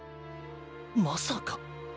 まさか。